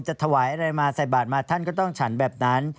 ถวายอะไรมาใส่บาทมาท่านก็ต้องฉันแบบนั้น